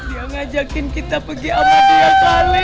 dia ngajakin kita pergi sama dia saleh